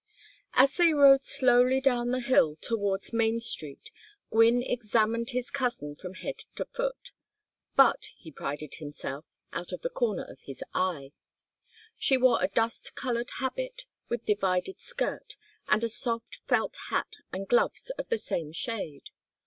V As they rode slowly down the hill towards Main Street Gwynne examined his cousin from head to foot, but, he prided himself, out of the corner of his eye. She wore a dust colored habit with divided skirt, and a soft felt hat and gloves of the same shade.